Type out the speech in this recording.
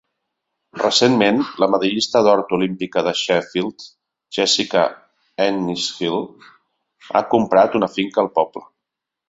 Recentment, la medallista d'or olímpica de Sheffield Jessica Ennis-Hill ha comprat una finca al poble.